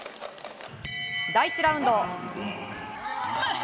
第１ラウンド。